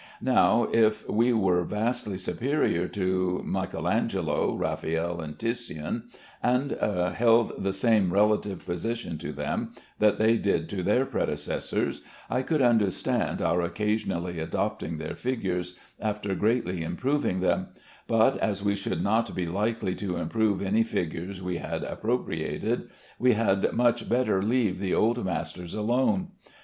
Now, if we were vastly superior to M. Angelo, Raffaelle, and Titian, and held the same relative position to them that they did to their predecessors, I could understand our occasionally adopting their figures, after greatly improving them; but as we should not be likely to improve any figure we had appropriated, we had much better leave the old masters alone.